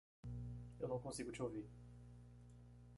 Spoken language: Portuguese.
Eu não consigo te ouvir.